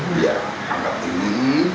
ini dia angkat ini